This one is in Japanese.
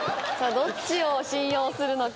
どっちを信用するのか？